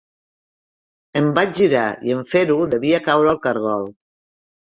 Em vaig girar i en fer-ho devia caure el caragol.